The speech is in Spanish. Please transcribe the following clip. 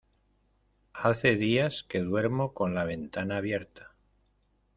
Hace días que duermo con la ventana abierta.